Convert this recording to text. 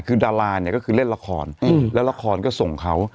คือดาราเนี่ยก็คือเล่นละครแล้วละครก็ส่งเขา